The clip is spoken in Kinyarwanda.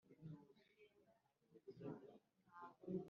niba urimo usoma ibi noneho uri muzima! hoba hariho iyindi mvo yo kumwenyura?